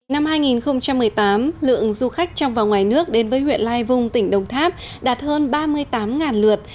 năm hai nghìn một mươi tám lượng du khách trong và ngoài nước đến với huyện lai vung tỉnh đồng tháp đạt hơn ba mươi tám lượt